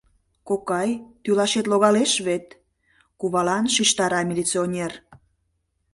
Кокай, тӱлашет логалеш вет, — кувалан шижтара милиционер.